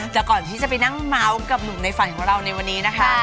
แต่ก่อนที่จะไปนั่งเมาส์กับหนุ่มในฝันของเราในวันนี้นะคะ